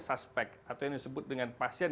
suspek atau yang disebut dengan pasien